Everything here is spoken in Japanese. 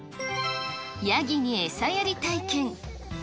やぎに餌やり体験。